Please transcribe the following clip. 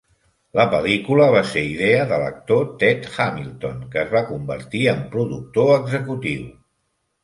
La pel·lícula va ser idea de l'actor Ted Hamilton, que es va convertir en productor executiu.